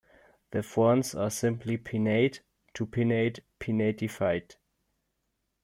The fronds are simply pinnate to pinnate-pinnatifid.